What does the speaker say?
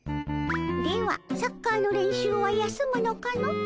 ではサッカーの練習は休むのかの？